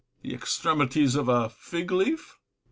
The extremities of a fig leaf.